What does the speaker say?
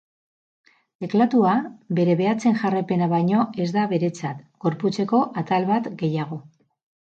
Teklatua bere behatzen jarraipena baino ez da beretzat, gorputzeko atal bat gehiago.